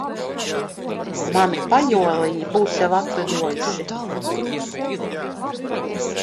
Mani pajoliņi būs jau atlidojuši.